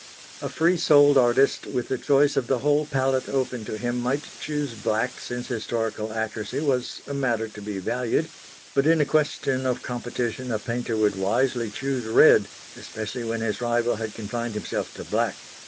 A free souled artist with the choice of the whole palette open to him might choose black since historical accuracy was a matter to be valued; but in a question of competition a painter would wisely choose red especially when his rival had confined himself to black.